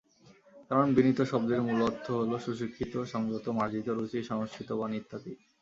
কারণ বিনীত শব্দের মূল অর্থ হলো সুশিক্ষিত, সংযত, মার্জিত রুচি, সংস্কৃতবান ইত্যাদি।